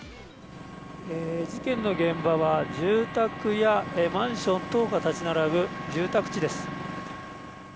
事件の現場は住宅やマンション等が立ち並ぶ住宅地です。